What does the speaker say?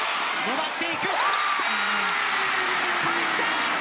入った！